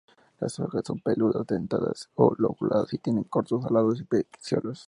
Las hojas son peludas dentadas o lobuladas y tienen cortos y alados pecíolos.